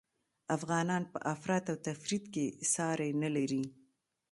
افغانان په افراط او تفریط کي ساری نلري